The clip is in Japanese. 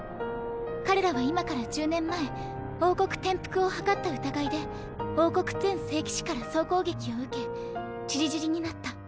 彼らは今から１０年前王国転覆を謀った疑いで王国全聖騎士から総攻撃を受けちりぢりになった。